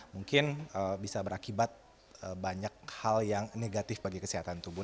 mungkin bisa berakibat banyak hal yang negatif bagi kesehatan tubuh